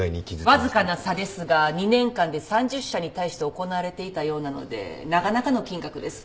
わずかな差ですが２年間で３０社に対して行われていたようなのでなかなかの金額です。